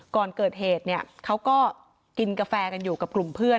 ก่อนเกิดเหตุเนี่ยเขาก็กินกาแฟกันอยู่กับกลุ่มเพื่อน